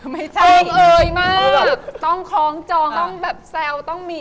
ไม่ใช่